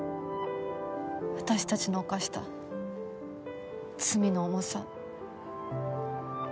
私たちの犯した罪の重さ。